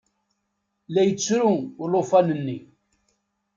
La yettru ulufan-nni.